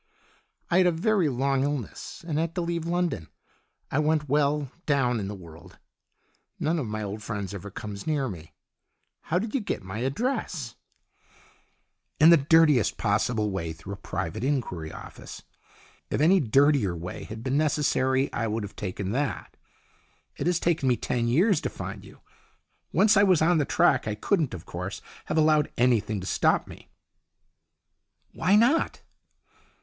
" I had a very long illness and had to leave London. I went well, down in the world. None of my old friends ever comes near me. How did you get my address ?" "In the dirtiest possible way through a private inquiry office. If any dirtier way had been necessary I would have taken that. It has taken me ten years to find you. Once I was on the track I couldn't, of course, have allowed anything to stop me." "Why not?"